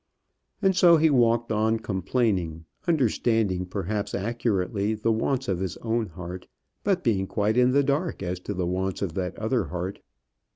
And so he walked on complaining; understanding perhaps accurately the wants of his own heart, but being quite in the dark as to the wants of that other heart.